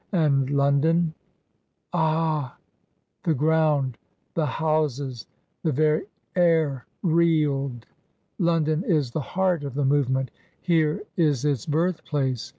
A7id London^ "Ah !" The ground, the houses, the very air reeled. " London is the heart of the movement. Here is its birthplace.